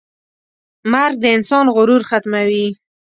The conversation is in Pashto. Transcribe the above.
مرګ د انسان غرور ختموي.